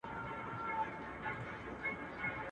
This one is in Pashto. چي په تبر دي چپه په یوه آن کي.